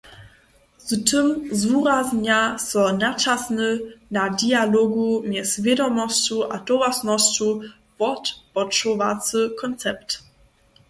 Z tym zwuraznja so načasny, na dialogu mjez wědomosću a towaršnosću wotpočowacy koncept.